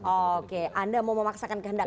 oke anda mau memaksakan kehendak